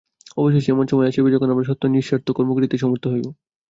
অবশেষে এমন সময় আসিবে, যখন আমরা সত্যই নিঃস্বার্থ কর্ম করিতে সমর্থ হইব।